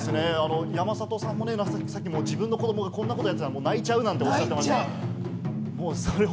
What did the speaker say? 山里さん、さっき自分の子どもがこんなことやってたら泣いちゃうなんて、おっしゃってましたけれども。